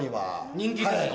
人気ですか？